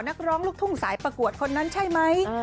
นักร้องลูกทุ่งสายประกวดคนนั้นใช่ไหม